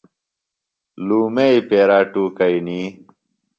لُومئی پیرا ٹُوکئنی۔